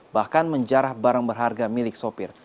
bahkan menjarah barang berharga milik sopir